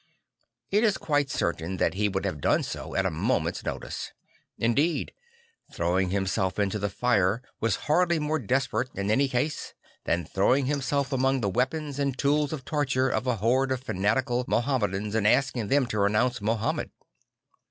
I t is quite certain that he would have done so at a moment's notice. Indeed throwing himself into the fire was hardly more desperate, in any case, than throwing himself among the weapons and tools of torture of a horde of fanatical Mahomedans and asking them to renounce Mahomet.